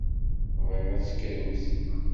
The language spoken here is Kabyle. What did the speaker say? Bɣiɣ ad tekkremt.